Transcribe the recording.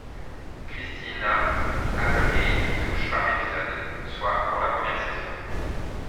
Christina Applegate touche par épisode, soit pour la première saison.